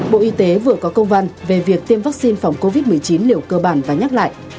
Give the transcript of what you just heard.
bộ y tế vừa có công văn về việc tiêm vắc xin phòng covid một mươi chín liều cơ bản và nhắc lại